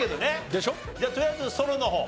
ではとりあえずソロの方。